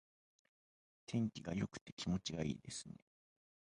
天気が良くて気持ちがいいですね。